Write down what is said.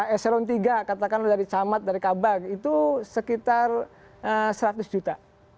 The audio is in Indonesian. eselon tiga katakanlah dari camat dari kabak itu sekitar seratus juta